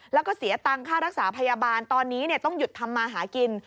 แล้วก็เสียตังค่ารักษาพยาบาลตอนนี้ต้องหยุดทำมาหากิน